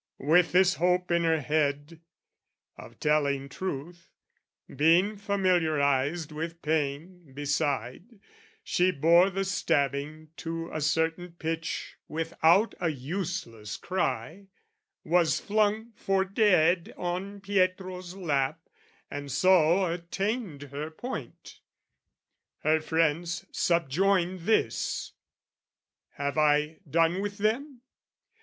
With this hope in her head, of telling truth, Being familiarised with pain, beside, She bore the stabbing to a certain pitch Without a useless cry, was flung for dead On Pietro's lap, and so attained her point. Her friends subjoin this have I done with them?